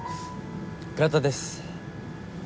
倉田です。